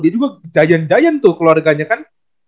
dia juga jayan jayan tuh keluarganya kan